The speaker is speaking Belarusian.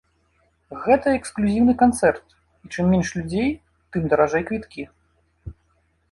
Гэта эксклюзіўны канцэрт і чым менш людзей, тым даражэй квіткі.